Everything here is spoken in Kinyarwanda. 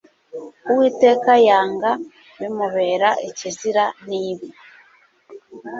Uwiteka yanga bimubera ikizira ni ibi